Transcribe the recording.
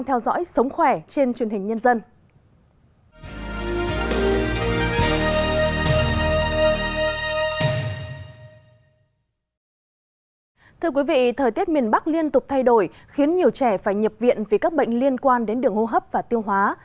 thưa quý vị thời tiết miền bắc liên tục thay đổi khiến nhiều trẻ phải nhập viện vì các bệnh liên quan đến đường hô hấp và tiêu hóa